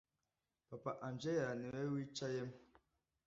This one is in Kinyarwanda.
papa angella niwe wicayemo